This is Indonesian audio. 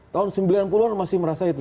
tahun sembilan puluh an masih merasa itu